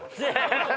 ハハハハ！